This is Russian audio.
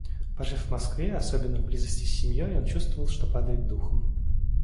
Пожив в Москве, особенно в близости с семьей, он чувствовал, что падает духом.